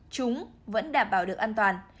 chúng vẫn đảm bảo được an toàn